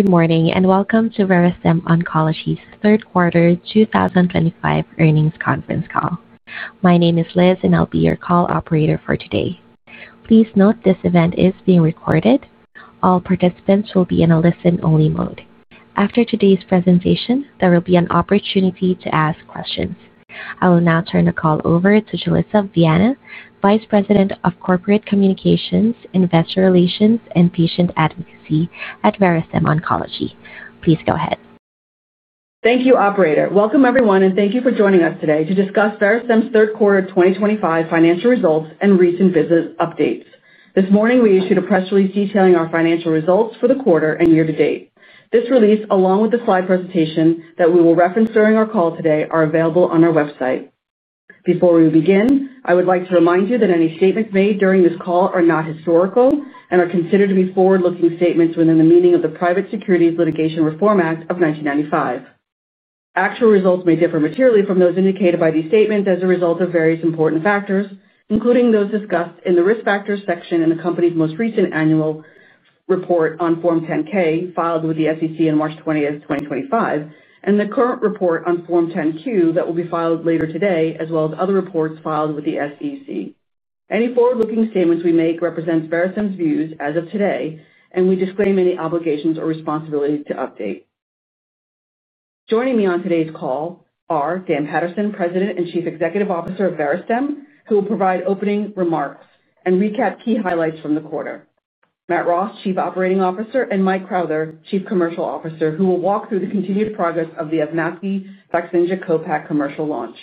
Good morning, and welcome to Verastem Oncology's Third Quarter 2025 Earnings Conference Call. My name is Liz, and I'll be your call operator for today. Please note this event is being recorded. All participants will be in a listen-only mode. After today's presentation, there will be an opportunity to ask questions. I will now turn the call over to Julissa Viana, Vice President of Corporate Communications, Investor Relations, and Patient Advocacy at Verastem Oncology. Please go ahead. Thank you, operator. Welcome, everyone. Thank you for joining us today to discuss Verastem's third quarter 2025 financial results, and recent business updates. This morning, we issued a press release detailing our financial results for the quarter and year-to-date. This release, along with the slide presentation that we will reference during our call today are available on our website. Before we begin, I would like to remind you that any statements made during this call are not historical, and are considered to be forward-looking statements within the meaning of the Private Securities Litigation Reform Act of 1995. Actual results may differ materially from those indicated by these statements as a result of various important factors, including those discussed in the risk factors section in the company's most recent annual report on Form 10-K, filed with the SEC on March 20th, 2025 and the current report on Form 10-Q that will be filed later today, as well as other reports filed with the SEC. Any forward-looking statements we make represent Verastem's views as of today, and we disclaim any obligations or responsibilities to update. Joining me on today's call are Dan Paterson, President and Chief Executive Officer of Verastem, who will provide opening remarks and recap key highlights from the quarter, Matt Ros, Chief Operating Officer, and Mike Crowther, Chief Commercial Officer, who will walk through the continued progress of the AVMAPKI FAKZYNJA CO-PACK commercial launch,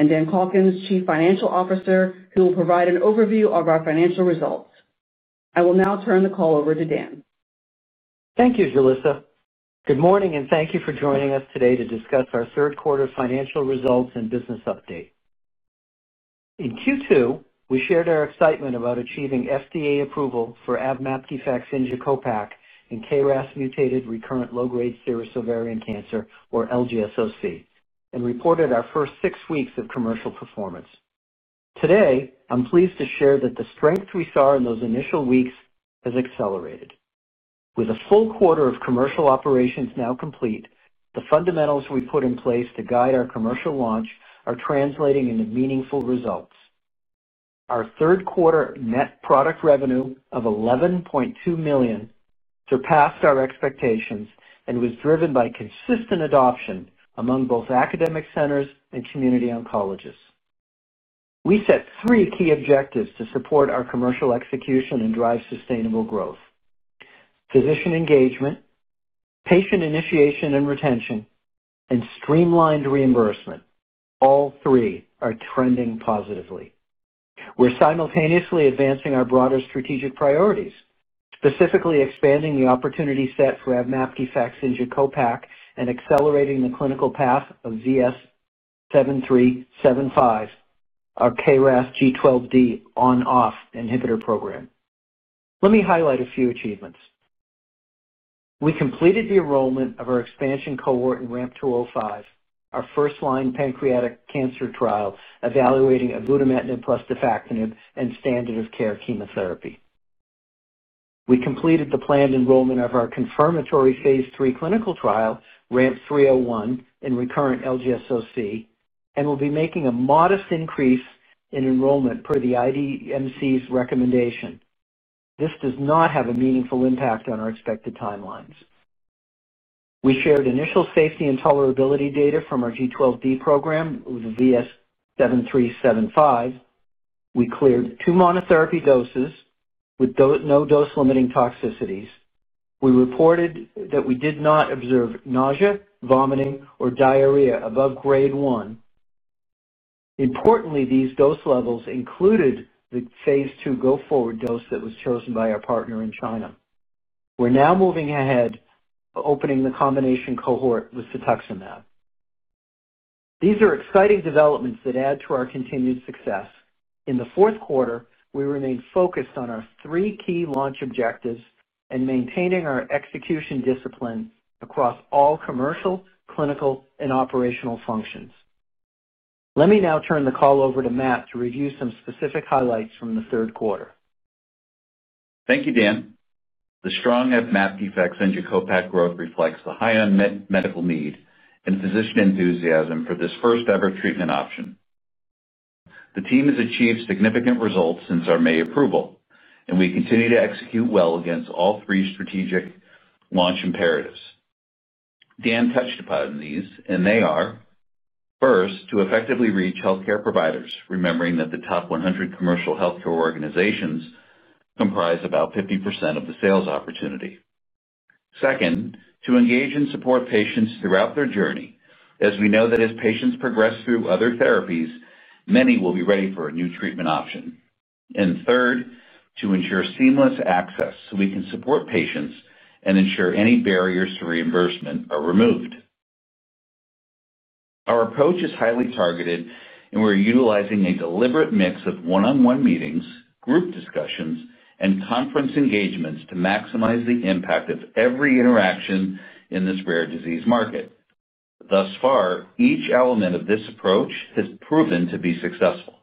and Dan Calkins, Chief Financial Officer, who will provide an overview of our financial results. I will now turn the call over to Dan. Thank you, Julissa. Good morning, and thank you for joining us today to discuss our third-quarter financial results and business update. In Q2, we shared our excitement about achieving FDA approval for AVMAPKI FAKZYNJA CO-PACK in KRAS-mutated recurrent low-grade serous ovarian cancer or LGSOC, and reported our first six weeks of commercial performance. Today, I'm pleased to share that the strength we saw in those initial weeks has accelerated. With a full quarter of commercial operations now complete, the fundamentals we put in place to guide our commercial launch are translating into meaningful results. Our third-quarter net product revenue of $11.2 million surpassed our expectations, and was driven by consistent adoption among both academic centers and community oncologists. We set three key objectives to support our commercial execution and drive sustainable growth, physician engagement, patient initiation and retention, and streamlined reimbursement, all three are trending positively. We're simultaneously advancing our broader strategic priorities, specifically expanding the opportunity set for AVMAPKI FAKZYNJA CO-PACK and accelerating the clinical path of VS-7375, our KRAS G12D on/off inhibitor program. Let me highlight a few achievements. We completed the enrollment of our expansion cohort in RAMP 205, our first-line pancreatic cancer trial, evaluating ibrutinib plus defactinib and standard of care chemotherapy. We completed the planned enrollment of our confirmatory phase III clinical trial, RAMP 301, in recurrent LGSOC and will be making a modest increase in enrollment per the IDMC's recommendation. This does not have a meaningful impact on our expected timelines. We shared initial safety and tolerability data from our G12D program with VS-7375. We cleared two monotherapy doses with no dose-limiting toxicities. We reported that we did not observe nausea, vomiting, or diarrhea above grade 1. Importantly, these dose levels included the phase II go-forward dose that was chosen by our partner in China. We're now moving ahead, opening the combination cohort with cetuximab. These are exciting developments that add to our continued success. In the fourth quarter, we remain focused on our three key launch objectives and maintaining our execution discipline across all commercial, clinical, and operational functions. Let me now turn the call over to Matt to review some specific highlights from the third quarter. Thank you, Dan. The strong AVMAPKI FAKZYNJA CO-PACK growth reflects the high-end medical need, and physician enthusiasm for this first-ever treatment option. The team has achieved significant results since our May approval, and we continue to execute well against all three strategic launch imperatives. Dan touched upon these, and they are, first, to effectively reach healthcare providers, remembering that the top 100 commercial healthcare organizations comprise about 50% of the sales opportunity. Second, to engage and support patients throughout their journey, as we know that as patients progress through other therapies, many will be ready for a new treatment option. Third, to ensure seamless access, so we can support patients, and ensure any barriers to reimbursement are removed. Our approach is highly targeted, and we're utilizing a deliberate mix of one-on-one meetings, group discussions, and conference engagements to maximize the impact of every interaction in this rare disease market. Thus far, each element of this approach has proven to be successful.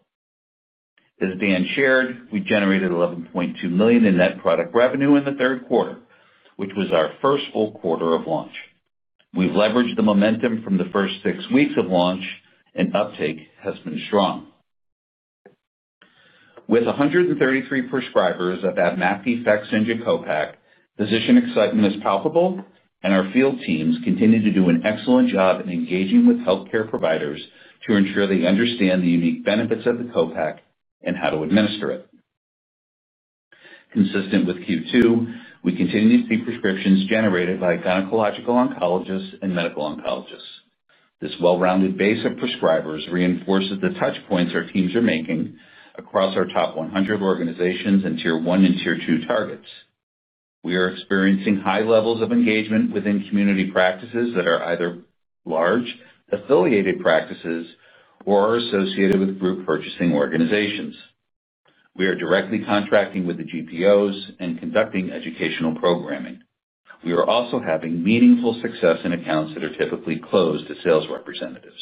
As Dan shared, we generated $11.2 million in net product revenue in the third quarter, which was our first full quarter of launch. We've leveraged the momentum from the first six weeks of launch, and uptake has been strong. With 133 prescribers of AVMAPKI FAKZYNJA CO-PACK, physician excitement is palpable, and our field teams continue to do an excellent job in engaging with healthcare providers to ensure they understand the unique benefits of the CO-PACK and how to administer it. Consistent with Q2, we continue to see prescriptions generated by gynecological oncologists and medical oncologists. This well-rounded base of prescribers reinforces the touchpoints our teams are making across our top 100 organizations and tier one and tier two targets. We are experiencing high levels of engagement within community practices that are either large affiliated practices or are associated with group purchasing organizations. We are directly contracting with the GPOs and conducting educational programming. We are also having meaningful success in accounts that are typically closed to sales representatives.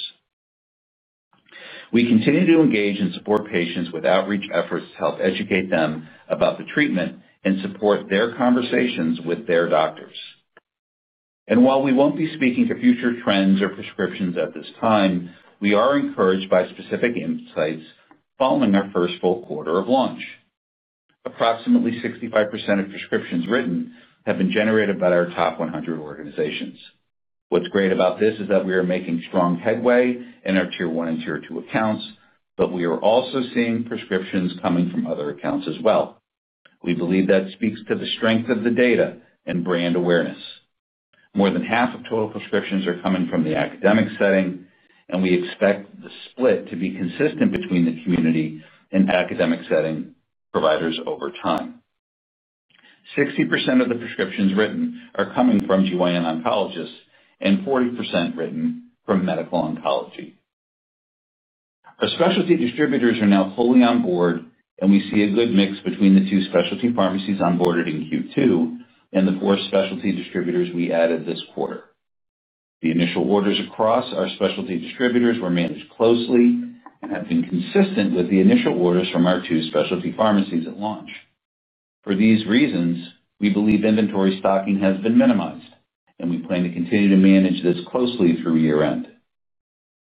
We continue to engage and support patients with outreach efforts to help educate them about the treatment and support their conversations with their doctors. While we won't be speaking to future trends or prescriptions at this time, we are encouraged by specific insights, following our first full quarter of launch. Approximately 65% of prescriptions written have been generated by our top 100 organizations. What's great about this is that we are making strong headway in our tier one and tier two accounts, but we are also seeing prescriptions coming from other accounts as well. We believe that speaks to the strength of the data and brand awareness. More than half of total prescriptions are coming from the academic setting, and we expect the split to be consistent between the community and academic setting providers over time. 60% of the prescriptions written are coming from GYN oncologists, and 40% written from medical oncology. Our specialty distributors are now fully on board, and we see a good mix between the two specialty pharmacies on board in Q2 and the four specialty distributors we added this quarter. The initial orders across our specialty distributors were managed closely, and have been consistent with the initial orders from our two specialty pharmacies at launch. For these reasons, we believe inventory stocking has been minimized, and we plan to continue to manage this closely through year-end.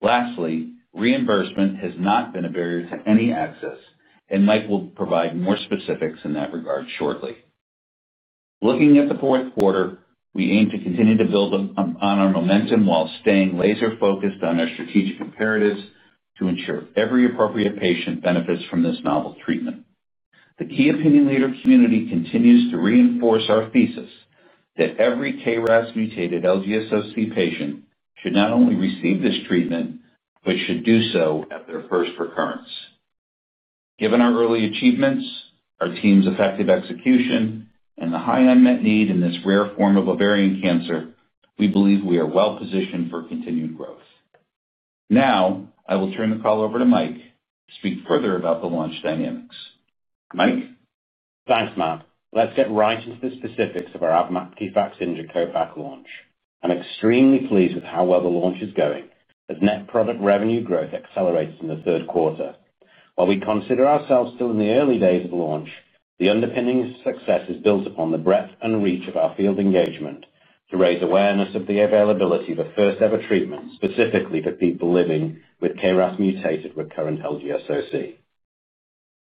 Lastly, reimbursement has not been a barrier to any access, and Mike will provide more specifics in that regard shortly. Looking at the fourth quarter, we aim to continue to build on our momentum while staying laser-focused on our strategic imperatives, to ensure every appropriate patient benefits from this novel treatment. The key opinion leader community continues to reinforce our thesis, that every KRAS-mutated LGSOC patient should not only receive this treatment, but should do so at their first recurrence. Given our early achievements, our team's effective execution and the high unmet need in this rare form of ovarian cancer, we believe we are well-positioned for continued growth. Now, I will turn the call over to Mike to speak further about the launch dynamics. Mike. Thanks, Matt. Let's get right into the specifics of our AVMAPKI FAKZYNJA CO-PACK launch. I'm extremely pleased with how well the launch is going as net product revenue growth accelerates in the third quarter. While we consider ourselves still in the early days of launch, the underpinning success is built upon the breadth and reach of our field engagement to raise awareness of the availability of a first-ever treatment, specifically for people living with KRAS-mutated recurrent LGSOC.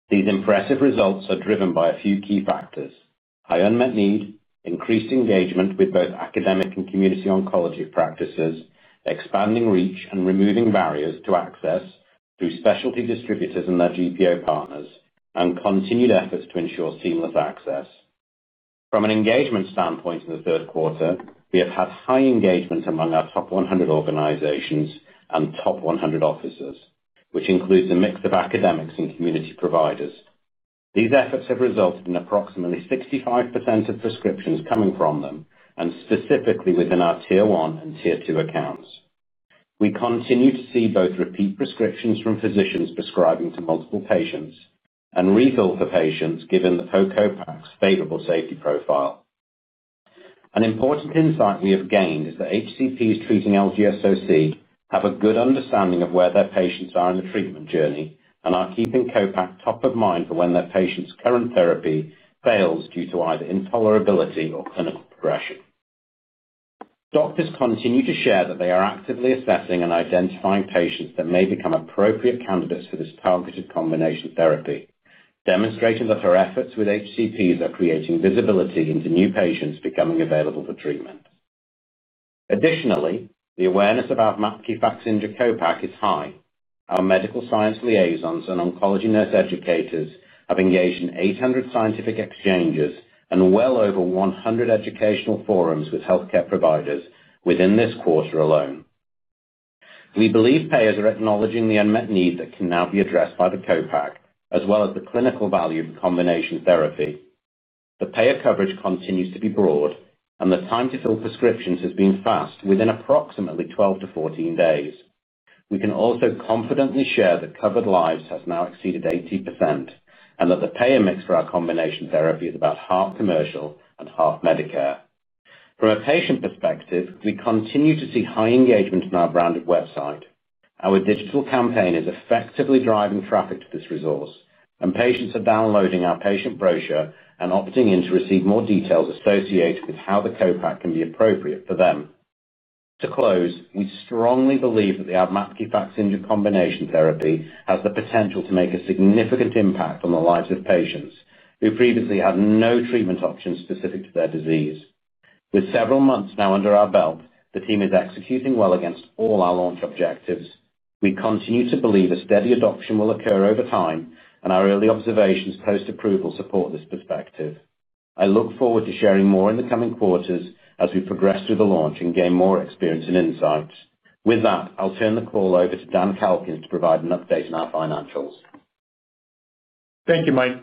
These impressive results are driven by a few key factors, high unmet need, increased engagement with both academic and community oncology practices, expanding reach and removing barriers to access through specialty distributors and their GPO Partners, and continued efforts to ensure seamless access. From an engagement standpoint in the third quarter, we have had high engagement among our top 100 organizations and top 100 offices, which includes a mix of academics and community providers. These efforts have resulted in approximately 65% of prescriptions coming from them, and specifically within our tier one and tier two accounts. We continue to see both repeat prescriptions from physicians prescribing to multiple patients, and refills for patients given the CO-PACK's favorable safety profile. An important insight we have gained is that HCPs treating LGSOC have a good understanding of where their patients are in the treatment journey, and are keeping CO-PACK top of mind for when their patient's current therapy fails due to either intolerability or clinical progression. Doctors continue to share that they are actively assessing and identifying patients that may become appropriate candidates for this targeted combination therapy, demonstrating that our efforts with HCPs are creating visibility into new patients becoming available for treatment. Additionally, the awareness of AVMAPKI FAKZYNJA CO-PACK is high. Our medical science liaisons and oncology nurse educators have engaged in 800 scientific exchanges, and well over 100 educational forums with healthcare providers within this quarter alone. We believe payers are acknowledging the unmet need that can now be addressed by the CO-PACK, as well as the clinical value of the combination therapy. The payer coverage continues to be broad, and the time to fill prescriptions has been fast, within approximately 12-14 days. We can also confidently share that covered lives has now exceeded 80%, and that the payer mix for our combination therapy is about half commercial and half Medicare. From a patient perspective, we continue to see high engagement in our branded website. Our digital campaign is effectively driving traffic to this resource, and patients are downloading our patient brochure and opting in to receive more details associated with how the CO-PACK can be appropriate for them. To close, we strongly believe that the AVMAPKI FAKZYNJA combination therapy has the potential to make a significant impact on the lives of patients who previously had no treatment options specific to their disease. With several months now under our belt, the team is executing well against all our launch objectives. We continue to believe a steady adoption will occur over time, and our early observations post-approval support this perspective. I look forward to sharing more in the coming quarters, as we progress through the launch and gain more experience and insights. With that, I'll turn the call over to Dan Calkins to provide an update on our financials. Thank you, Mike.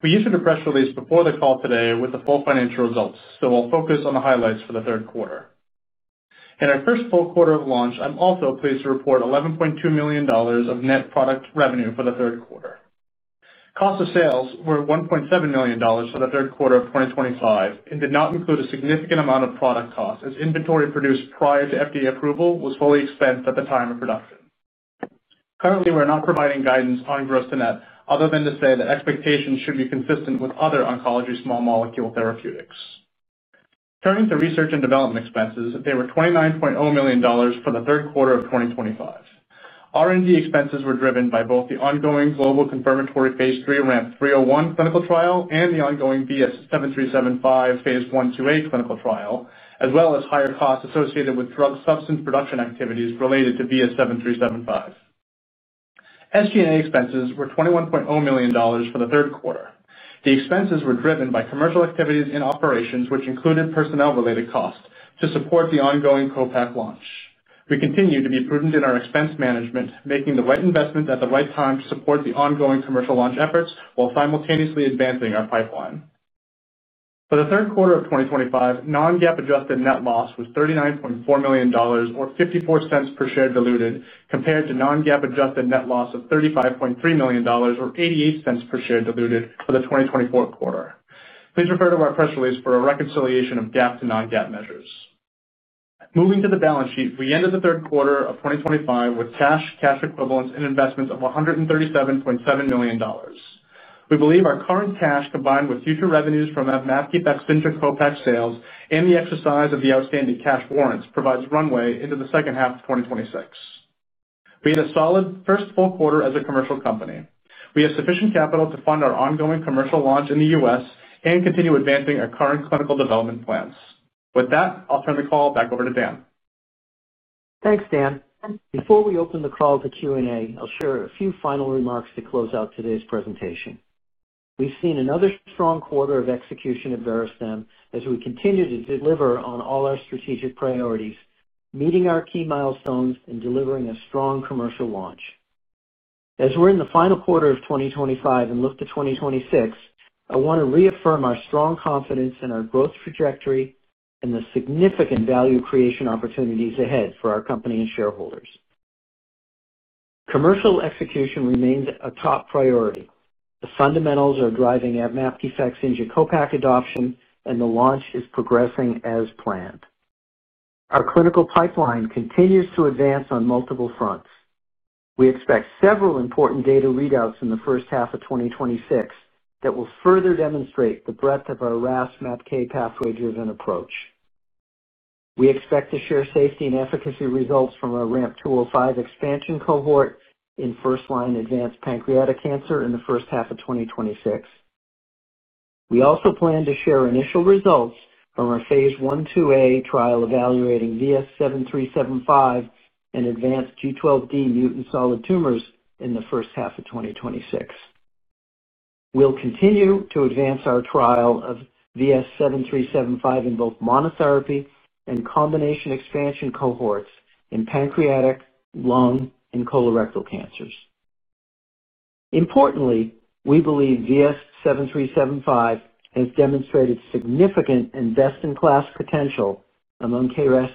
We issued a press release before the call today with the full financial results, so I'll focus on the highlights for the third quarter. In our first full quarter of launch, I'm also pleased to report $11.2 million of net product revenue for the third quarter. Cost of sales were $1.7 million for the third quarter of 2025, and did not include a significant amount of product costs as inventory produced prior to FDA approval was fully expensed at the time of production. Currently, we're not providing guidance on gross to net, other than to say that expectations should be consistent with other oncology small molecule therapeutics. Turning to research and development expenses, they were $29.0 million for the third quarter of 2025. R&D expenses were driven by both the ongoing global confirmatory phase III RAMP 301 clinical trial, and the ongoing VS-7375 phase I-VIII clinical trial, as well as higher costs associated with drug substance production activities related to VS-7375. SG&A expenses were $21.0 million for the third quarter. The expenses were driven by commercial activities in operations, which included personnel-related costs to support the ongoing CO-PACK launch. We continue to be prudent in our expense management, making the right investment at the right time to support the ongoing commercial launch efforts, while simultaneously advancing our pipeline. For the third quarter of 2025, non-GAAP adjusted net loss was $39.4 million or $0.54 per share diluted, compared to non-GAAP adjusted net loss of $35.3 million or $0.88 per share diluted for the 2024 quarter. Please refer to our press release for a reconciliation of GAAP to non-GAAP measures. Moving to the balance sheet, we ended the third quarter of 2025 with cash, cash equivalents, and investments of $137.7 million. We believe our current cash combined with future revenues from AVMAPKI FAKZYNJA CO-PACK sales and the exercise of the outstanding cash warrants, provides runway into the second half of 2026. We had a solid first full quarter as a commercial company. We have sufficient capital to fund our ongoing commercial launch in the U.S., and continue advancing our current clinical development plans. With that, I'll turn the call back over to Dan. Thanks, Dan. Before we open the call to Q&A, I'll share a few final remarks to close out today's presentation. We've seen another strong quarter of execution at Verastem, as we continue to deliver on all our strategic priorities, meeting our key milestones and delivering a strong commercial launch. As we're in the final quarter of 2025 and look to 2026, I want to reaffirm our strong confidence in our growth trajectory and the significant value creation opportunities ahead for our company and shareholders. Commercial execution remains a top priority. The fundamentals are driving AVMAPKI FAKZYNJA CO-PACK adoption, and the launch is progressing as planned. Our clinical pipeline continues to advance on multiple fronts. We expect several important data readouts in the first half of 2026, that will further demonstrate the breadth of our RAS/MAPK pathway-driven approach. We expect to share safety and efficacy results from our RAMP 205 expansion cohort in first-line advanced pancreatic cancer in the first half of 2026. We also plan to share initial results from our phase I-VIII trial evaluating VS-7375 in advanced G12D mutant solid tumors in the first half of 2026. We'll continue to advance our trial of VS-7375 in both monotherapy and combination expansion cohorts in pancreatic, lung, and colorectal cancers. Importantly, we believe VS-7375 has demonstrated significant and best-in-class potential among KRAS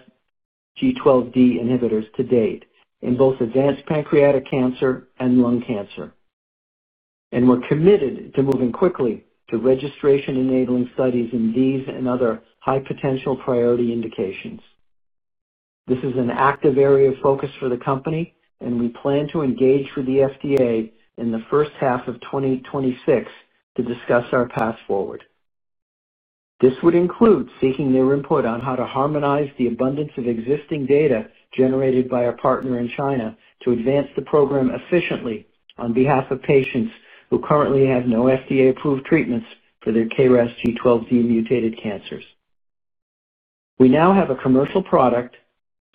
G12D inhibitors to date, in both advanced pancreatic cancer and lung cancer. We're committed to moving quickly to registration-enabling studies in these and other high-potential priority indications. This is an active area of focus for the company, and we plan to engage with the FDA in the first half of 2026 to discuss our path forward. This would include seeking their input on how to harmonize the abundance of existing data generated by our partner in China, to advance the program efficiently on behalf of patients who currently have no FDA-approved treatments for their KRAS G12D-mutated cancers. We now have a commercial product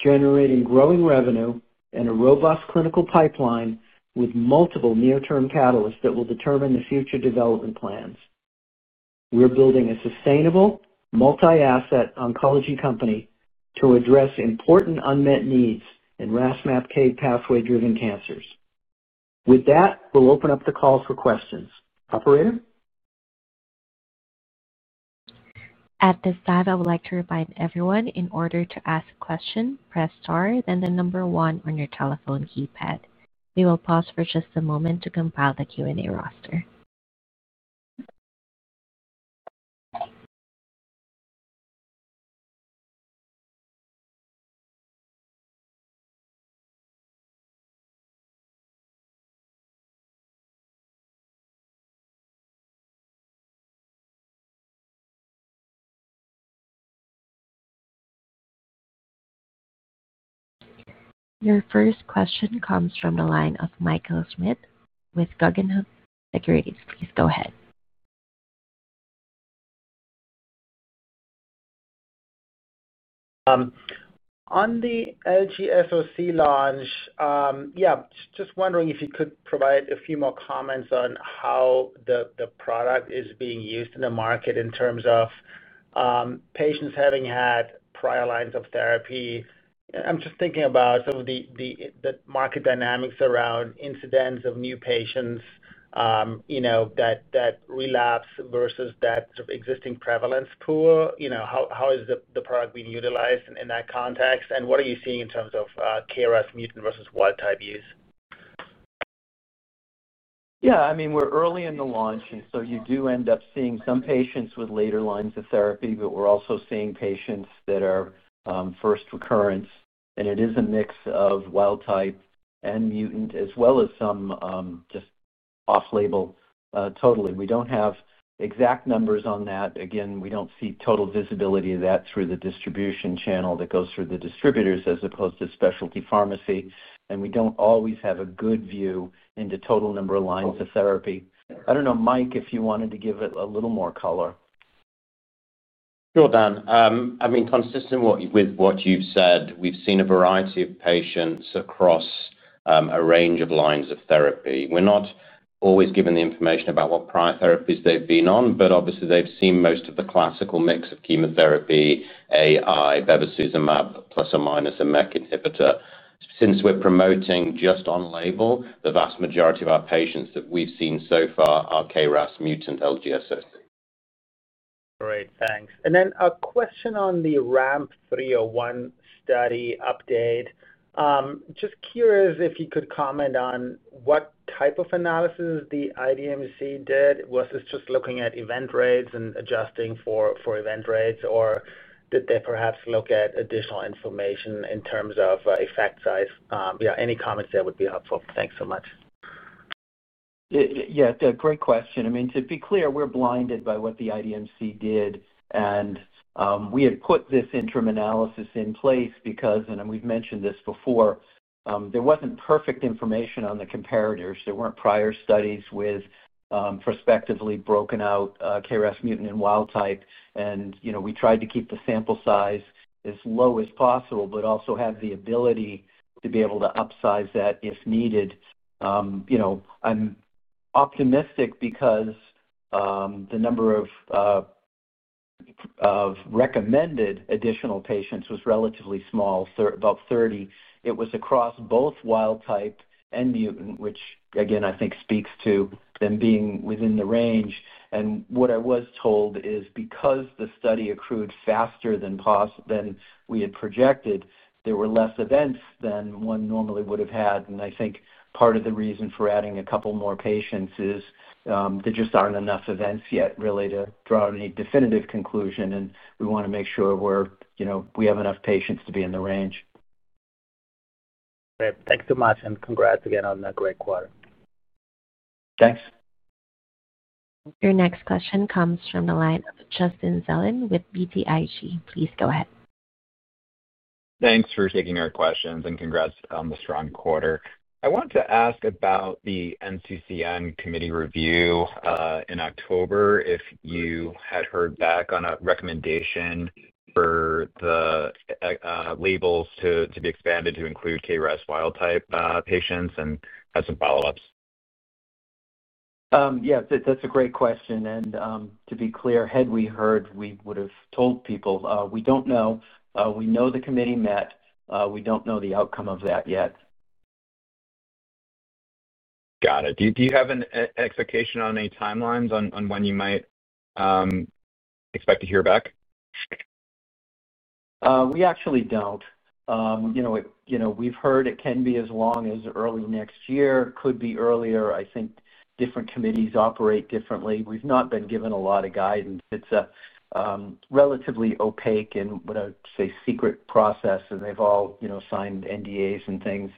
generating growing revenue, and a robust clinical pipeline with multiple near-term catalysts that will determine the future development plans. We're building a sustainable, multi-asset oncology company to address important unmet needs in RAS/MAPK pathway-driven cancers. With that, we'll open up the call for questions. Operator? At this time, I would like to remind everyone, in order to ask a question, press star, then the number one on your telephone keypad. We will pause for just a moment to compile the Q&A roster. Your first question comes from the line of Michael Smith with Guggenheim Securities. Please go ahead. On the LGSOC launch, yeah, just wondering if you could provide a few more comments on how the product is being used in the market in terms of patients having had prior lines of therapy. I'm just thinking about some of the market dynamics around incidence of new patients that relapse versus that sort of existing prevalence pool. How is the product being utilized in that context? What are you seeing in terms of KRAS mutant versus wild-type use? Yeah. I mean, we're early in the launch, and so you do end up seeing some patients with later lines of therapy, but we're also seeing patients that are first recurrence. It is a mix of wild-type and mutant, as well as some just off-label totally. We don't have exact numbers on that. Again, we don't see total visibility of that through the distribution channel that goes through the distributors as opposed to specialty pharmacy. We don't always have a good view into total number of lines of therapy. I don't know Mike, if you wanted to give it a little more color. Sure, Dan. I mean, consistent with what you've said, we've seen a variety of patients across a range of lines of therapy. We're not always given the information about what prior therapies they've been on, but obviously, they've seen most of the classical mix of chemotherapy, AI, bevacizumab, plus or minus a MAC inhibitor. Since we're promoting just on-label, the vast majority of our patients that we've seen so far are KRAS mutant LGSOC. Great, thanks. A question on the RAMP 301 study update. Just curious if you could comment on what type of analysis the IDMC did. Was this just looking at event rates and adjusting for event rates, or did they perhaps look at additional information in terms of effect size? Yeah, any comments there would be helpful. Thanks so much. Yeah, great question. I mean, to be clear, we're blinded by what the IDMC did. We had put this interim analysis in place because, and we've mentioned this before, there wasn't perfect information on the comparators. There weren't prior studies with, prospectively broken out KRAS mutant and wild-type. We tried to keep the sample size as low as possible, but also have the ability to be able to upsize that if needed. I'm optimistic because the number of recommended additional patients was relatively small, about 30. It was across both wild-type and mutant, which again, I think speaks to them being within the range. What I was told is, because the study accrued faster than we had projected, there were less events than one normally would have had. I think part of the reason for adding a couple more patients is, there just aren't enough events yet really to draw any definitive conclusion and we want to make sure we have enough patients to be in the range. Great. Thanks so much. Congrats again on that great quarter. Thanks. Your next question comes from the line of Justin Zelin with BTIG. Please go ahead. Thanks for taking our questions, and congrats on the strong quarter. I want to ask about the [NTCN] committee review in October, if you had heard back on a recommendation for the labels to be expanded to include KRAS wild-type patients and had some follow-ups. Yeah, that's a great question. To be clear, had we heard, we would have told people. We don't know. We know the committee met. We don't know the outcome of that yet. Got it. Do you have an expectation on any timelines on when you might expect to hear back? We actually don't. We've heard it can be as long as early next year, could be earlier. I think different committees operate differently. We've not been given a lot of guidance. It's a relatively opaque, and what I would say, a secret process. They've all signed NDAs and things.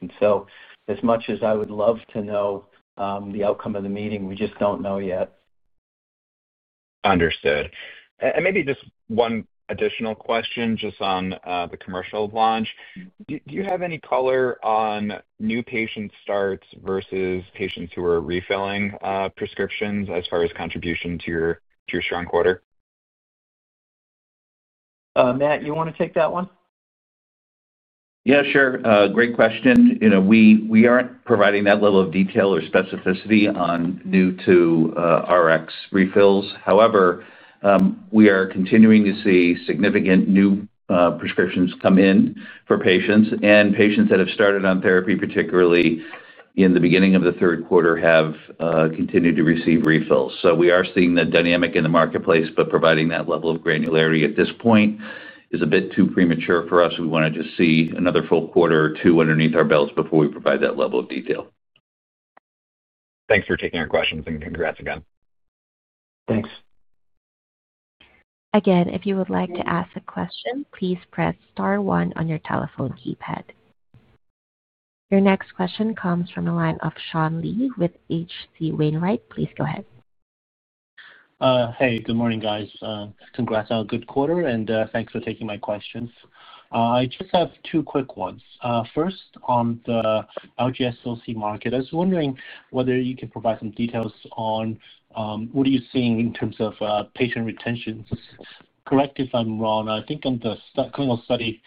As much as I would love to know the outcome of the meeting, we just don't know yet. Understood. Maybe just one additional question just on the commercial launch. Do you have any color on new patient starts versus patients who are refilling prescriptions as far as contribution to your strong quarter? Matt, you want to take that one? Yeah, sure. Great question. We aren't providing that level of detail or specificity on new to RX refills. However, we are continuing to see significant new prescriptions come in for patients. Patients that have started on therapy, particularly in the beginning of the third quarter, have continued to receive refills. We are seeing that dynamic in the marketplace, but providing that level of granularity at this point is a bit too premature for us. We wanted to just see another full quarter or two underneath our belts before we provide that level of detail. Thanks for taking our questions and congrats again. Thanks. Again, if you would like to ask a question, please press star one on your telephone keypad. Your next question comes from the line of Sean Lee with H.C. Wainwright. Please go ahead. Hey. Good morning, guys. Congrats on a good quarter, and thanks for taking my questions. I just have two quick ones. First, on the LGSOC market, I was wondering whether you could provide some details on, what are you seeing in terms of patient retention? Correct me if I'm wrong, I think on the clinical study,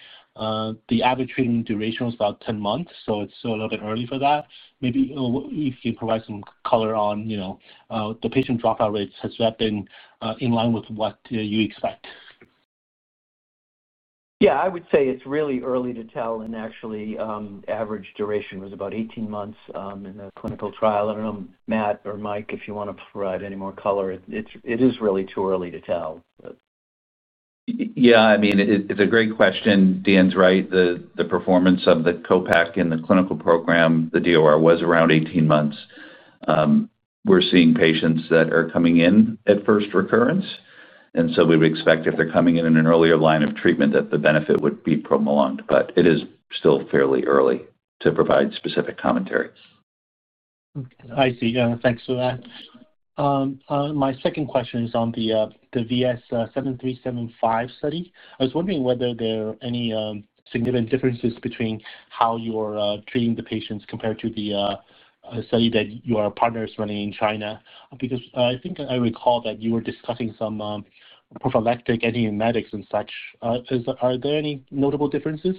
the average treatment duration was about 10 months, so it's a little bit early for that. Maybe if you can provide some color on the patient dropout rates, has that been in line with what you expect? Yeah. I would say it's really early to tell. Actually, average duration was about 18 months in the clinical trial. I don't know, Matt or Mike if you want to provide any more color. It is really too early to tell. Yeah. I mean, it's a great question. Dan's right. The performance of the CO-PACK in the clinical program, the DOR, was around 18 months. We're seeing patients that are coming in at first recurrence. We would expect if they're coming in an earlier line of treatment, that the benefit would be prolonged. It is still fairly early to provide specific commentary. I see, yeah. Thanks for that. My second question is on the VS-7375 study. I was wondering whether there are any significant differences between how you're treating the patients compared to the study that your partner is running in China, because I think I recall that you were discussing some prophylactic antiemetics and such. Are there any notable differences?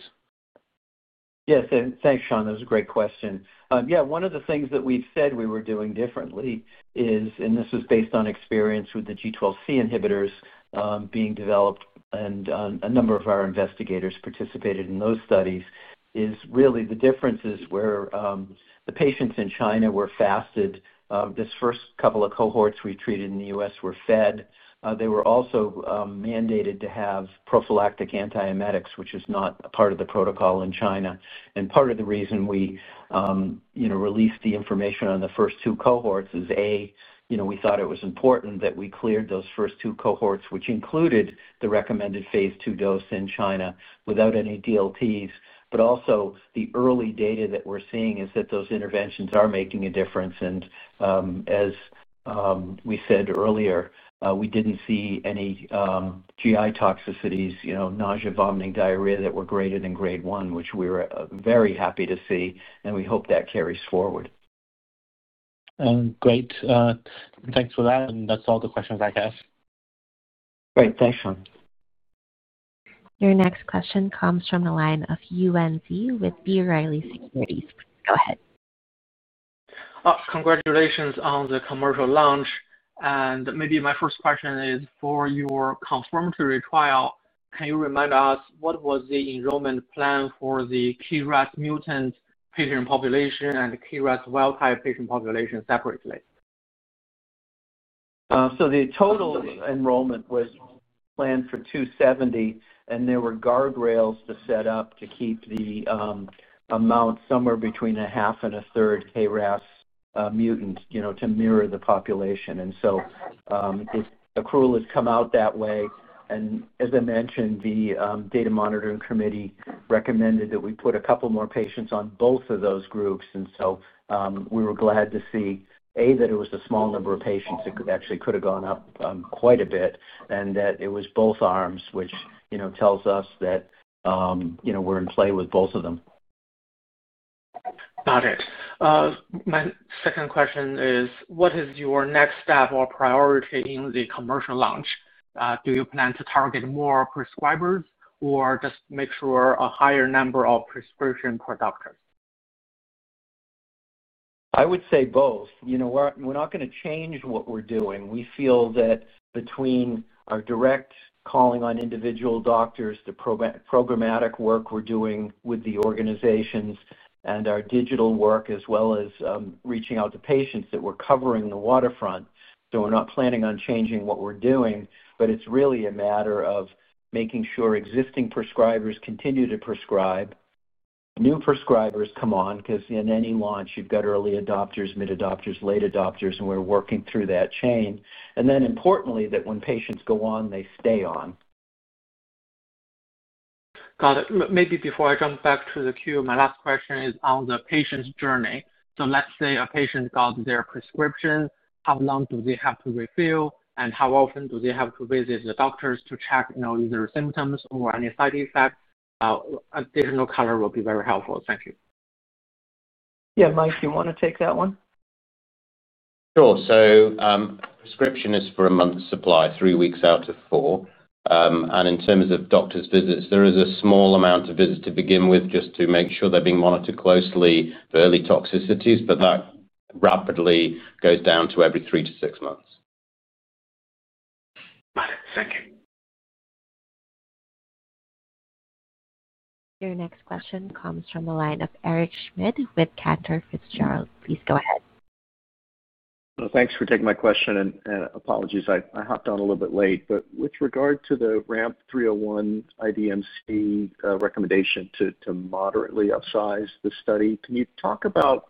Yes. Thanks, Sean. That was a great question. Yeah. One of the things that we've said we were doing differently is, and this was based on experience with the G12C inhibitors being developed, and a number of our investigators participated in those studies, is really the differences where the patients in China were fasted. This first couple of cohorts we treated in the U.S. were fed. They were also mandated to have prophylactic antiemetics, which is not part of the protocol in China. Part of the reason we released the information on the first two cohorts is, A, we thought it was important that we cleared those first two cohorts, which included the recommended phase II dose in China without any DLTs. Also, the early data that we're seeing is that those interventions are making a difference. As we said earlier, we didn't see any GI toxicities, nausea, vomiting, diarrhea that were graded in grade one, which we were very happy to see, and we hope that carries forward. Great. Thanks for that. That's all the questions I have. Great. Thanks, Sean. Your next question comes from the line of UNZ with B. Reilly Securities. Please go ahead. Congratulations on the commercial launch. Maybe my first question is, for your confirmatory trial, can you remind us, what was the enrollment plan for the KRAS mutant patient population and KRAS wild-type patient population separately? The total enrollment was planned for 270, and there were guardrails set up to keep the amount somewhere between 1/2 and 1/3 KRAS mutant to mirror the population. The accrual has come out that way. As I mentioned, the data monitoring committee recommended that we put a couple more patients on both of those groups. We were glad to see, A, that it was a small number of patients. It actually could have gone up quite a bit, and that it was both arms, which tells us that we're in play with both of them. Got it. My second question is, what is your next step or priority in the commercial launch? Do you plan to target more prescribers or just make sure a higher number of prescription [per doctor]? I would say both. We're not going to change what we're doing. We feel that between our direct calling on individual doctors, the programmatic work we're doing with the organizations and our digital work, as well as reaching out to patients, that we're covering the waterfront. We're not planning on changing what we're doing, but it's really a matter of making sure existing prescribers continue to prescribe. New prescribers come on because in any launch, you've got early adopters, mid-adopters, late adopters, and we're working through that chain and then importantly, that when patients go on, they stay on. Got it. Maybe before I come back to the queue, my last question is on the patient's journey. Let's say a patient got their prescription. How long do they have to refill? How often do they have to visit the doctors to check either symptoms or any side effects? Additional color will be very helpful. Thank you. Yeah. Mike, do you want to take that one? Sure. Prescription is for a month's supply, three weeks out of four. In terms of doctor's visits, there is a small amount of visits to begin with, just to make sure they're being monitored closely for early toxicities, but that rapidly goes down to every three to six months. Got it. Thank you. Your next question comes from the line of Eric Schmidt with Cantor Fitzgerald. Please go ahead. Thanks for taking my question. Apologies I hopped on a little bit late. With regard to the RAMP 301 IDMC recommendation to moderately upsize the study, can you talk about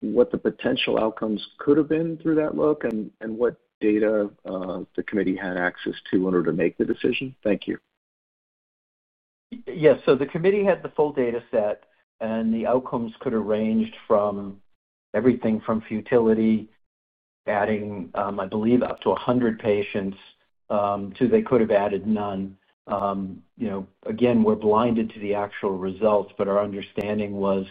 what the potential outcomes could have been through that look and what data the committee had access to in order to make the decision? Thank you. Yes. The committee had the full data set, and the outcomes could have ranged from everything from futility, adding, I believe up to 100 patients, they could have added none. Again, we're blinded to the actual results, but our understanding was,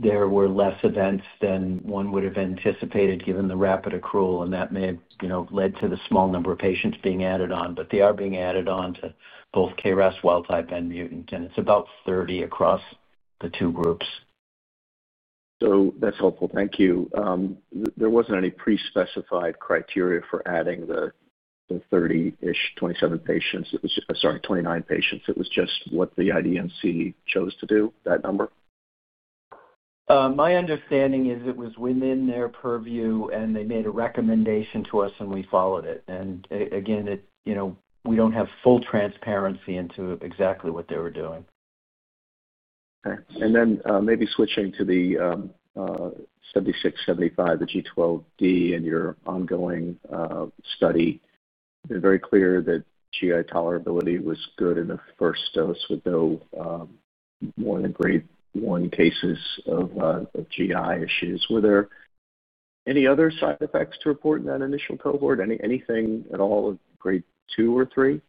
there were less events than one would have anticipated given the rapid accrual. That may have led to the small number of patients being added on. They are being added on to both KRAS wild-type and mutant, and it's about 30 across the two groups. That's helpful. Thank you. There wasn't any pre-specified criteria for adding the 29 patients. It was just what the IDMC chose to do, that number? My understanding is it was within their purview, and they made a recommendation to us and we followed it. Again, we do not have full transparency into exactly what they were doing. Okay. Maybe switching to the 7675, the G12D and your ongoing study. Very clear that GI tolerability was good in the first dose, with no more than grade one cases of GI issues. Were there any other side effects to report in that initial cohort? Anything at all of grade two or three?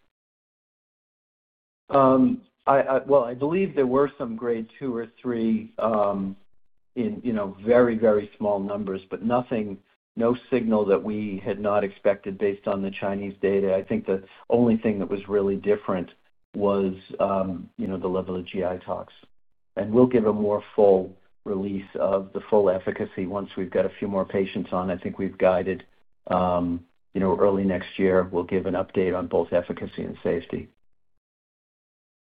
I believe there were some grade two or three in very, very small numbers, but no signal that we had not expected based on the Chinese data. I think the only thing that was really different was the level of GI tox. We'll give a more full release of the full efficacy once we've got a few more patients on. I think we've guided early next year, we'll give an update on both efficacy and safety.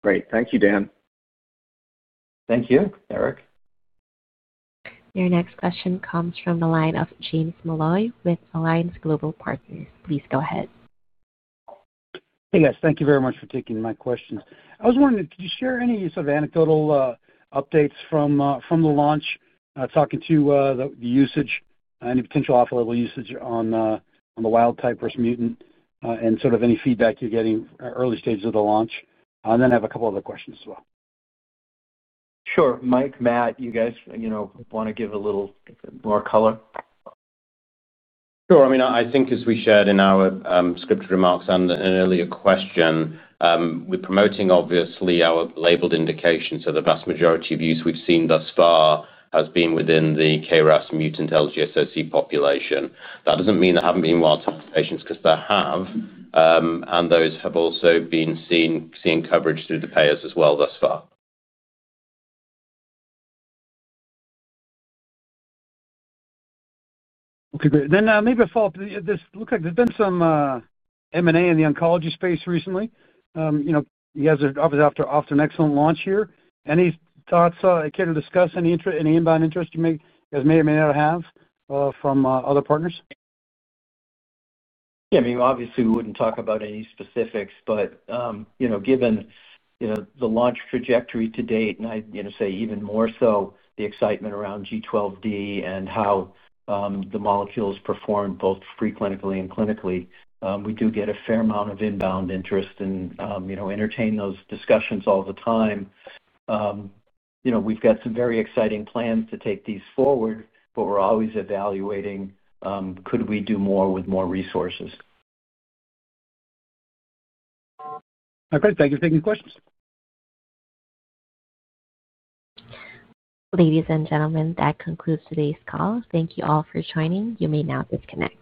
Great. Thank you, Dan. Thank you, Eric. Your next question comes from the line of James Molloy with Alliance Global Partners. Please go ahead. Hey, guys. Thank you very much for taking my questions. I was wondering, could you share any sort of anecdotal updates from the launch, talking to the usage, any potential off-label usage on the wild-type versus mutant, and sort of any feedback you're getting early stages of the launch? I have a couple other questions as well. Sure. Mike, Matt, you guys want to give a little more color? Sure. I mean, I think as we shared in our scripted remarks and earlier question, we're promoting obviously our labeled indication. The vast majority of use we've seen thus far has been within the KRAS mutant LGSOC population. That doesn't mean there haven't been wild-type patients because there have. Those have also seen coverage through the payers as well thus far. Okay, great. Maybe a follow-up. It looks like there's been some M&A in the oncology space recently. You guys are obviously after an excellent launch year. Any thoughts you care to discuss? Any inbound interest you may or may not have from other partners? Yeah. I mean, obviously, we wouldn't talk about any specifics. Given the launch trajectory to date, and I'd say even more so the excitement around G12D and how the molecules perform both preclinically and clinically, we do get a fair amount of inbound interest and entertain those discussions all the time. We've got some very exciting plans to take these forward, but we're always evaluating, could we do more with more resources? Okay. Thank you for taking the questions. Ladies and gentlemen, that concludes today's call. Thank you all for joining. You may now disconnect.